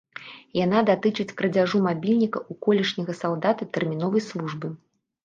Яна датычыць крадзяжу мабільніка ў колішняга салдата тэрміновай службы.